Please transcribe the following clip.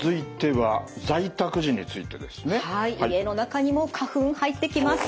はい家の中にも花粉入ってきます。